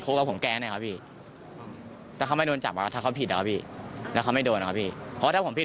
ก็ได้ครับพี่ถ้าเขาไม่ติดถ้าเขาผิดตอนนี้ครับพี่